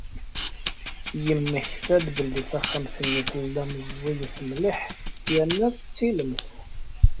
Yemmekta-d belli taxxamt-nni tella meẓẓiyet mliḥ yerna d tilemt.